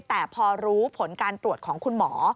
แต่พอรู้ผลการตรวจของคุณหมอ